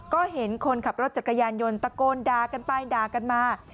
ก็เห็นคนขับรถจักรยานยนต์ตะโกนด่ากันไปด่ากันมา